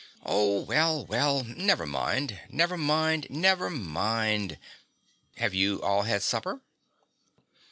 Oh, well, well, never mind, never mind, never mind. Have you all had supper?